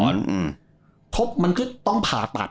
เพราะมันก็ต้องผ่าปัด